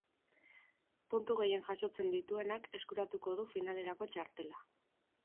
Puntu gehien jasotzen dituenak eskuratuko du finalerako txartela.